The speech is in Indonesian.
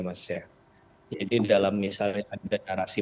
mas ya jadi dalam misalnya ada narasi